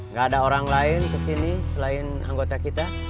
nggak ada orang lain kesini selain anggota kita